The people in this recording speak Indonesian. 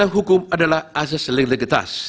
ketika hukum adalah asas legitas